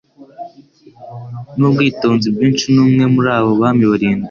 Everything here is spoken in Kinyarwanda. n'ubwitonzi bwinshi ni umwe muri abo bami barindwi